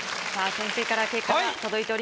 先生から結果が届いております。